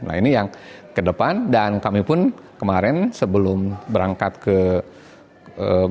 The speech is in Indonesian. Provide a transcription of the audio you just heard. nah ini yang ke depan dan kami pun kemarin sebelum berangkat ke jakarta